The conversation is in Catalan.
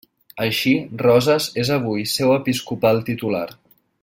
Així, Roses és avui seu episcopal titular.